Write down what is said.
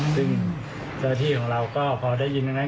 ซึ่งเจ้าหน้าที่ของเราก็พอได้ยินทั้งนั้น